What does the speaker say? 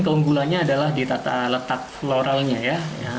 keunggulannya adalah di tata letak loralnya ya